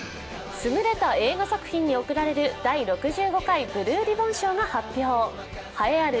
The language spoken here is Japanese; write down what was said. すぐれた映画作品に贈られる第６５回ブルーリボン賞が発表されました。